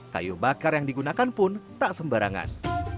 kayu bakar yang digunakan pun tak sembarangan